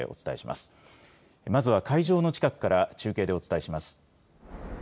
まずは会場の近くから中継でお伝えします。